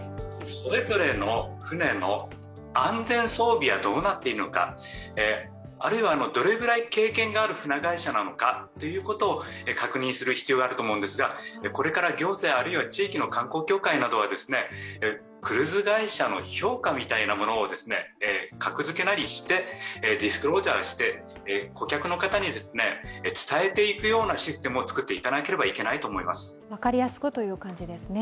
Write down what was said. それぞれの船の安全装備はどうなっているのか、あるいは、どれぐらい経験がある船会社なのかということを確認する必要があると思いますがこれから行政、あるいは地域の観光協会などは、クルーズ会社の評価みたいなものを格付けなりしてディスクロージャーして顧客の方に伝えていくシステムを作らなければいけないと思います。